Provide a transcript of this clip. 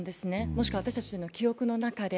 もしくは私たちの記憶の中で。